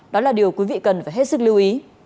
đó là điều quý vị cần phải hết sức lưu ý